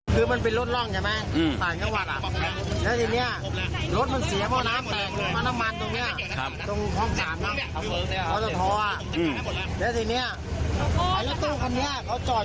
ติดต่อติดต่อบอกว่าให้ไปส่งสักคนละครหน่อย